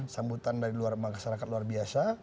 sambutan dari masyarakat luar biasa